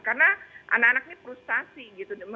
karena anak anak ini frustasi gitu